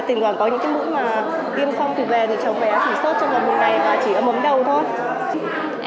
thì cháu bé chỉ sốt trong một ngày và chỉ ở mống đầu thôi